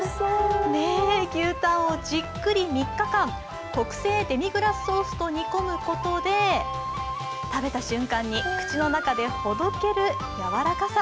牛たんをじっくり３日間、特製デミグラスソーと煮込むことで、食べた瞬間に口の中でほどけるやわらかさ。